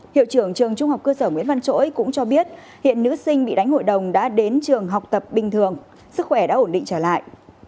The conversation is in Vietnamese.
hiệu trưởng trường trung học cơ sở nguyễn văn chỗi cũng cho biết hiện nữ sinh bị đánh hội đồng đã đến trường học tập bình thường sức khỏe đã ổn định trở lại